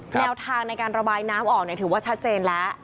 แนวทางในการระบายน้ำออกถือว่าชัดเจนแล้ว